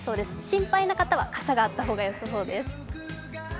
心配な方は傘があった方がよさそうです。